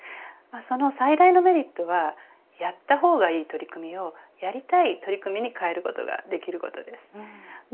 その最大のメリットはやった方がいい取り組みをやりたい取り組みに変えることができることです。